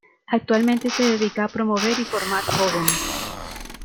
Actualmente se dedica a promover y formar jóvenes.